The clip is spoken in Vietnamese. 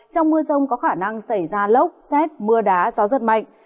trong mưa rông có khả năng xảy ra lốc xét mưa đá gió giật mạnh